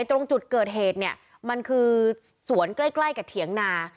ตรงจุดเกิดเหตุเนี่ยมันคือสวนใกล้กับเถียงนา